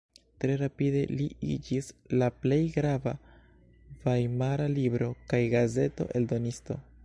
Tre rapide li iĝis la plej grava vajmara libro- kaj gazeto-eldonisto.